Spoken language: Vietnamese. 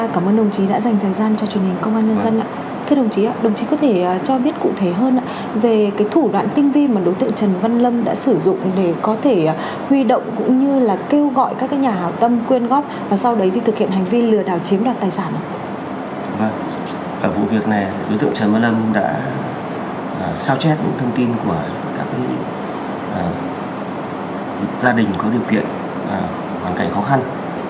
cụ việc này đối tượng trần nguyên lâm đã sao chép những thông tin của các gia đình có điều kiện hoàn cảnh khó khăn